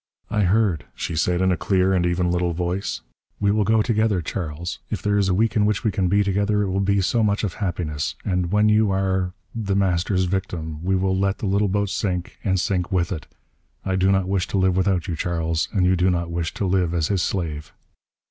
"I heard," she said in a clear and even little voice. "We will go together, Charles. If there is a week in which we can be together, it will be so much of happiness. And when you are The Master's victim, we will let the little boat sink, and sink with it. I do not wish to live without you, Charles, and you do not wish to live as his slave."